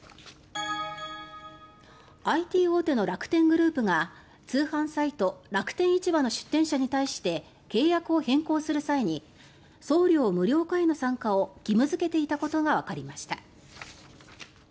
ＩＴ大手の楽天グループが通販サイト、楽天市場の出店者に対して契約を変更する際に送料無料化への参加を義務付けていたことがわかりました。